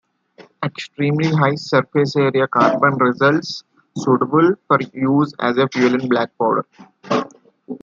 Extremely-high-surface-area carbon results, suitable for use as a fuel in black powder.